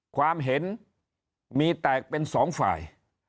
ความเห็นมีแตกเป็นสองฝ่าย